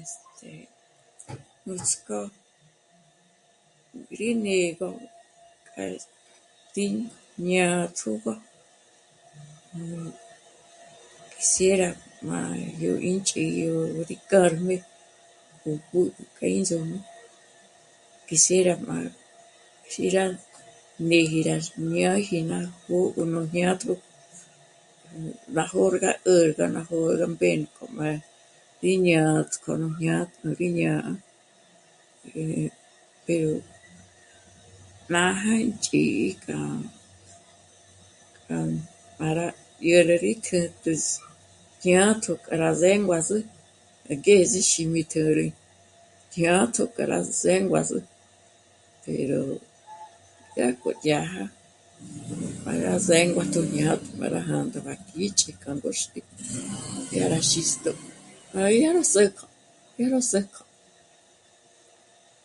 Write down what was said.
Este... nuts'k'ó rí né'egö k'a... t'ī̀'ī jñátjogö... quisiera... má yó 'ǐnch'i yá ró ík'árm'e gó b'ü... k'a índzǔm'ü. Quisiera má... jí rá..., mí rá má ñáji ná jó'o nú jñátjo, rá jó'o rá 'ä̀rä rá jó'o rá mbénk'o má rí ñátko jñátjo rí ñá'a, eh... pero... nája ínch'í'i k'a... para yá 'ä̀räji tjä̌rä jñátjo k'a rá zénguazü angeze xí mí tjö̌rü jñátjo k'a rá zénguazü pero... dyà k'oyája para zénguatsü jñátjo para jā̂ndā jíchi k'a mbóxt'i dyà rá xîstjo 'á yá zë̌k'ü, dyà rá zë̌k'ü